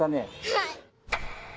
はい！